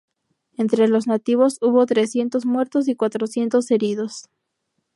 Entre los nativos hubo trescientos muertos y cuatrocientos heridos.